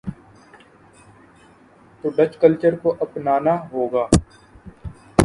تو Dutch culture کو اپنا نا ہو گا۔